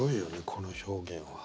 この表現は。